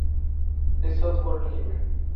Es software libre.